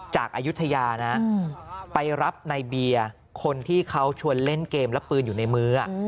อายุทยานะไปรับในเบียร์คนที่เขาชวนเล่นเกมและปืนอยู่ในมือ